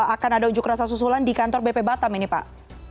akan ada ujuk rasa susulan di kantor bp batam ini pak